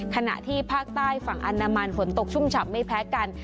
ขณะที่ภาคใต้ฝั่งอนามันฝนตกชุ่มฉ่ำไม่แพ้กัน